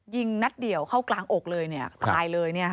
ยิงนัดเดี่ยวเข้ากลางอกเลยตายเลย